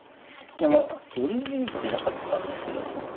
いや寄るイメージなかったんですけど。